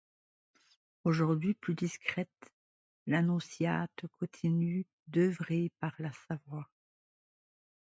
Aujourd'hui, plus discrète, l'Annonciade continue d'œuvrer pour la Savoie.